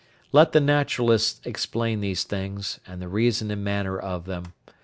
Let the naturalists explain these things, and the reason and manner of them.